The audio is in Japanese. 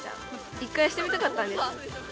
１回してみたかったんです。